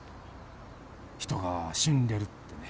人が死んでるってね。